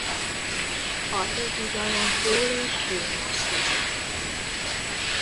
A többi dalon Paul és Gene osztozik.